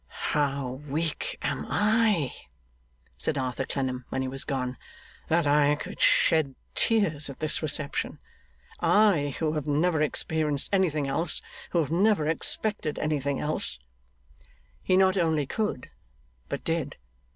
'How weak am I,' said Arthur Clennam, when he was gone, 'that I could shed tears at this reception! I, who have never experienced anything else; who have never expected anything else.' He not only could, but did.